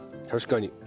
確かに。